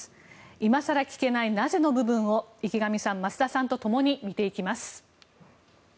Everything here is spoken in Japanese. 今更聞けないなぜの部分を池上さん、増田さんとともに見ていきます。